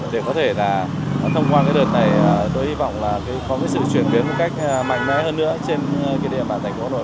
để có thể thông qua đợt này tôi hy vọng có sự chuyển biến một cách mạnh mẽ hơn nữa trên địa bàn thành phố hà nội